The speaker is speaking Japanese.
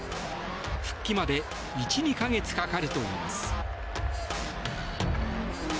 復帰まで１２か月かかるといいます。